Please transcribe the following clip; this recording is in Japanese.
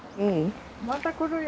また来るよ。